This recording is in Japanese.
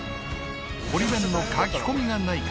堀弁の書き込みがないか